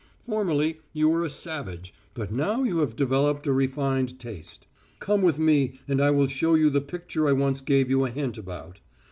Formerly you were a savage, but now you have developed a refined taste. Come with me and I will show you the picture I once gave you a hint about.